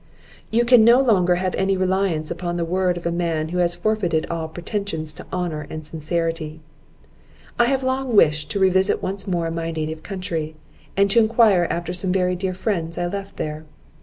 "You can no longer have any reliance upon the word of a man who has forfeited all pretensions to honour and sincerity. I have long wished to revisit once more my native country, and to enquire after some very dear friends I left there.